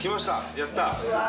やったー！